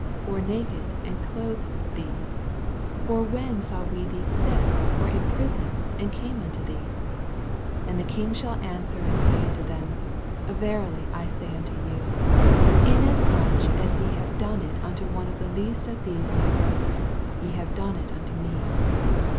or naked, and clothed M«6/ 89 Or when saw we thee sick, or ia prison, and came unto thee ? iO And the Kin^ shall answer and say unto them. Verily I say nnto yon, Inasmuch as ye have done it unto one of the least of these my brethren, ye have done it unto me.